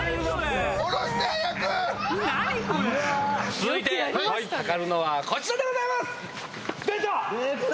続いて測るのはこちらでございます！